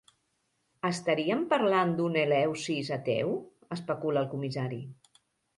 Estaríem parlant d'un Eleusis ateu? —especula el comissari.